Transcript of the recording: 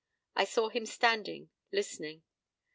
I saw him standing, listening.